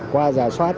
qua giả soát thì